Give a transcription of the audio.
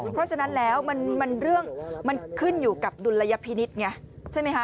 เพราะฉะนั้นแล้วเรื่องมันขึ้นอยู่กับดุลยพินิษฐ์ไงใช่ไหมคะ